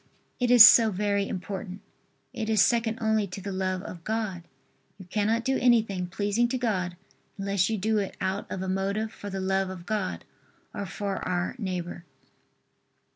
It is so very important. It is second only to the love of God. You cannot do anything pleasing to God unless you do it out of a motive for the love of God or for our neighbor.